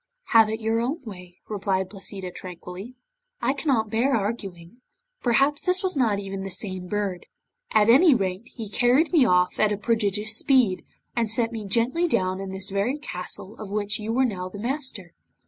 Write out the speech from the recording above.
'Have it your own way,' replied Placida, tranquilly. 'I cannot bear arguing. Perhaps, this was not even the same bird. At any rate, he carried me off at a prodigious speed, and set me gently down in this very castle of which you are now the master.